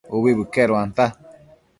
Ubi bëqueduanta